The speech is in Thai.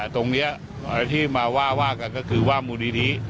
ตรงนี้ที่มาว่ากันก็คือว่ามูลนิธินี้